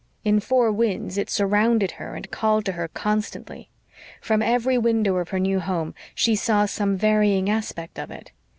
In Four Winds it surrounded her and called to her constantly. From every window of her new home she saw some varying aspect of it.